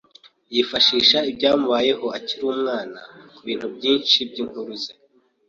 Yifashisha ibyamubayeho akiri umwana kubintu byinshi byinkuru ze.